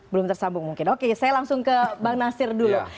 belum tersambung mungkin oke saya langsung ke bang nasir dulu